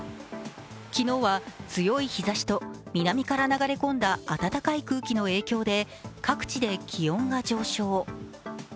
昨日は強い日ざしと南から流れ込んだ暖かい空気の影響で各地で気温が上昇。